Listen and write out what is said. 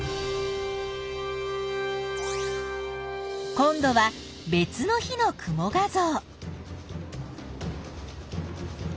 今度は別の日の雲画像。